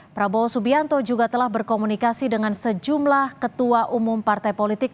prabowo subianto juga telah berkomunikasi dengan sejumlah ketua umum partai politik